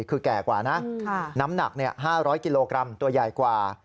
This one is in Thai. คือแก่กว่านะน้ำหนัก๕๐๐กิโลกรัมตัวใหญ่กว่า